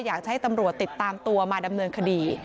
อยากจะให้ตำรวจติดตามตัวมาดำเนินคดี